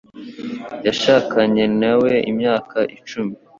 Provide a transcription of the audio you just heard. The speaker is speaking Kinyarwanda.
Yashakanye na we imyaka icumi.